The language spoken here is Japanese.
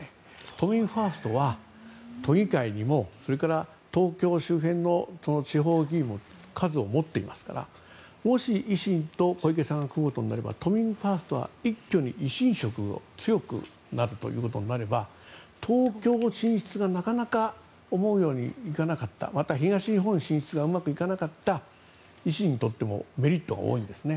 都民ファーストは都議会にも東京周辺の地方議員も数を持っているのでもし維新と小池さんが組むとなれば都民ファーストは一挙に維新色が強くなるとなれば東京進出がなかなか思うようにいかなかったまた東日本進出がうまくいかなかった維新にとってもメリットが多いんですね。